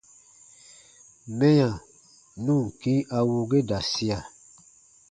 Mɛya nu ǹ kĩ a wuu ge da sia.